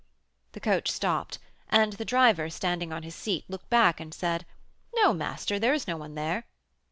The coach stopped, and the driver, standing on his seat, looked back, and said: "No, master, there is no one there."